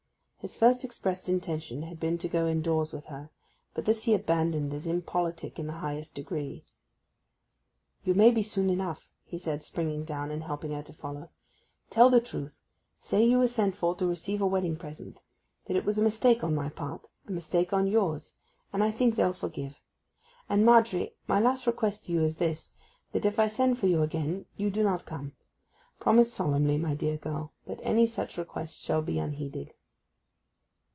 His first expressed intention had been to go indoors with her, but this he abandoned as impolitic in the highest degree. 'You may be soon enough,' he said, springing down, and helping her to follow. 'Tell the truth: say you were sent for to receive a wedding present—that it was a mistake on my part—a mistake on yours; and I think they'll forgive ... And, Margery, my last request to you is this: that if I send for you again, you do not come. Promise solemnly, my dear girl, that any such request shall be unheeded.